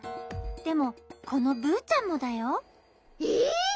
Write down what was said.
でもこのブーちゃんもだよ。えっ？